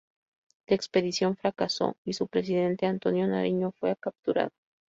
La expedición fracasó y su presidente, Antonio Nariño, fue capturado.